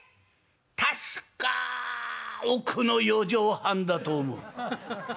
確か奥の４畳半だと思う」。